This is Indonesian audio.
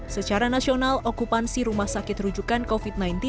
secara nasional okupansi rumah sakit rujukan covid sembilan belas